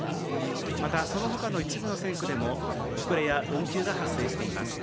またそのほかの一部の線区でも、遅れや運休が発生しています。